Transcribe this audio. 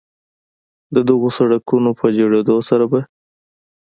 د دغو سړکونو په جوړېدو سره به